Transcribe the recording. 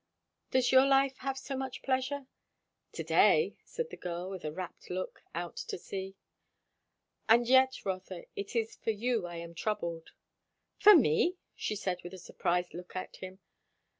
"Does your life have so much pleasure?" "To day " said the girl, with a rapt look out to sea. "And yet Rotha, it is for you I am troubled." "For me!" she said with a surprised look at him.